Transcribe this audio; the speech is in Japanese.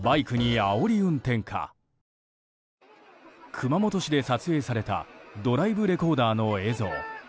熊本市で撮影されたドライブレコーダーの映像。